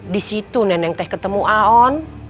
di situ neneng teh ketemu aon